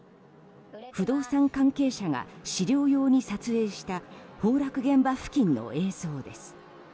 不動産関係者が資料用に撮影した崩落現場付近の映像です。